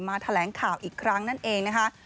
แถลงข่าวอีกครั้งนั่นเองนะคะ